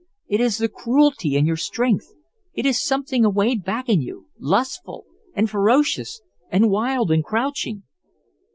It is the cruelty in your strength, it is something away back in you lustful, and ferocious, and wild, and crouching."